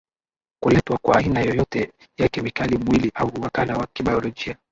kuletwa kwa aina yoyote ya kemikali mwili au wakala wa kibaolojia